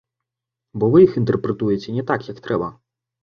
Бо вы іх інтэрпрэтуеце не так, як трэба.